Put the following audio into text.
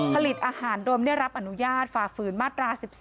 ผลิตอาหารโดยไม่ได้รับอนุญาตฝ่าฝืนมาตรา๑๔